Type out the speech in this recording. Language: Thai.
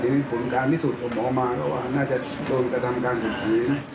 ที่มีผลการณ์นิสุทธิ์ผลหมอมาเพราะว่าน่าจะโดนกระทำการศึกษี